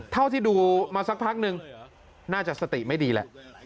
เท่าที่ดูมาสักพักนึงน่าจะสติไม่ดีแหละ